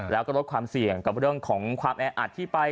แล้วก็ลดความเสี่ยงกับเรื่องของความแออัดที่ไป